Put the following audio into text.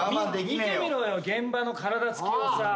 見てみろよ現場の体つきをさ。